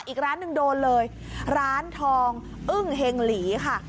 อีกร้านหนึ่งโดนเลยร้านทองอึ้งเฮงหลีค่ะ